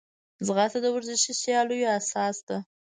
ځغاسته د ورزشي سیالیو اساس ده